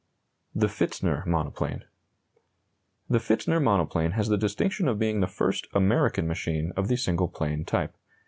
THE PFITZNER MONOPLANE. The Pfitzner monoplane has the distinction of being the first American machine of the single plane type.